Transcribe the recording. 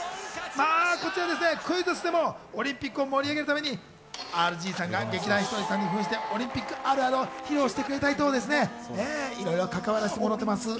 こちら、クイズッスでもオリンピックを盛り上げるためにＲＧさんが劇団ひとりさんに扮して、オリンピックあるあるを披露してくれたり、いろいろかかわらせてもらってます。